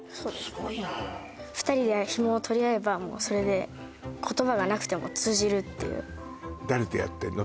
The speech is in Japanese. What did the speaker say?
すごいな２人でヒモを取り合えばもうそれで言葉がなくても通じるっていう誰とやってんの？